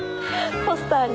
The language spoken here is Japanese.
ポスターに。